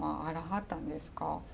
あらはったんですか？